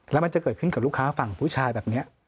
แล้วมันจะเกิดขึ้นกับลูกค้าฝั่งผู้ชายแบบนี้